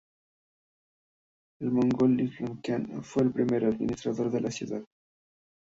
El mogol Islam Khan fue el primer administrador de la ciudad.